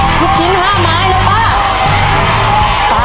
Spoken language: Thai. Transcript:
พรุ่งชิ้น๕ไม้นะป้า